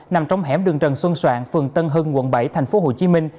nằm trong hẻm đường trần xuân soạn phường tân hưng quận bảy tp hcm